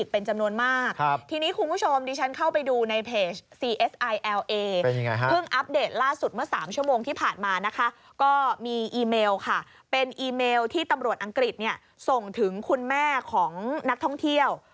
เป็นอีเมลที่ตำรวจอังกฤษส่งถึงคุณแม่ของนักท่องเที่ยว